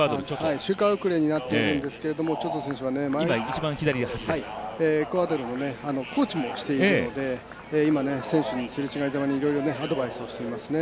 周回後れになっているんですけども、チョチョ選手は、エクアドルのコーチもしているので選手にすれ違いざまにいろいろアドバイスをしていますね。